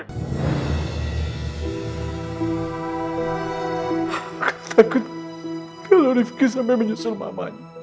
aku takut kalo rifqi sampai menyusul mamanya